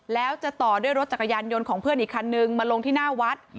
แล้วจะต่อด้วยรถจักรยานยนต์ของเพื่อนอีกคันนึงมาลงที่หน้าวัด